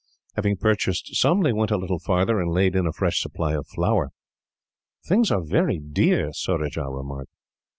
Having purchased some, they went a little farther, and laid in a fresh supply of flour. "Things are very dear," Surajah remarked.